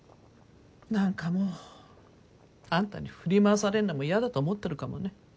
何かもうあんたに振り回されるのも嫌だと思ってるかもね。